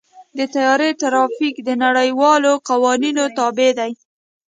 د طیارې ټرافیک د نړیوالو قوانینو تابع دی.